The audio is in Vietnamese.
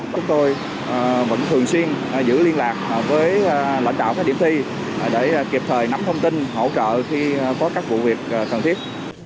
chúng tôi vẫn thường xuyên giữ liên lạc với lãnh đạo các điểm thi để kịp thời nắm thông tin hỗ trợ khi có các vụ việc cần thiết